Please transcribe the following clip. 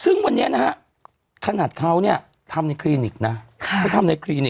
ซึ่งวันนี้นะครับขนาดเค้าเนี่ยทำในคลีนิกนะ